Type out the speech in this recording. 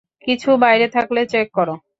কিছু বাইরে থাকলে চেক করো?